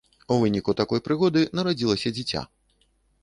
У выніку такой прыгоды нарадзілася дзіця.